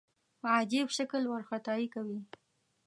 په عجیب شکل وارخطايي کوي.